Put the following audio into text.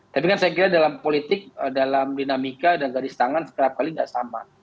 tapi kan saya kira dalam politik dalam dinamika dan garis tangan kerap kali tidak sama